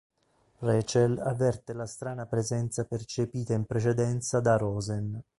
Rachel avverte la strana presenza percepita in precedenza da Rosen.